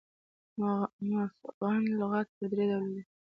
مفغن لغات پر درې ډوله دي.